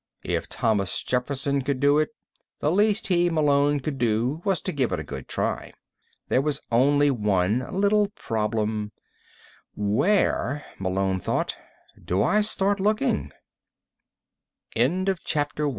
If Thomas Jefferson could do it, the least he, Malone, could do was to give it a good try. There was only one little problem: Where, Malone thought, _do I start lookin